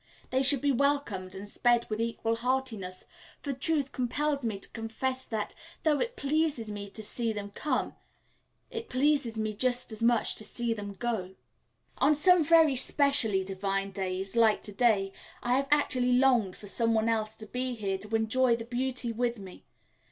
They should be welcomed and sped with equal heartiness; for truth compels me to confess that, though it pleases me to see them come, it pleases me just as much to see them go. On some very specially divine days, like today, I have actually longed for some one else to be here to enjoy the beauty with me.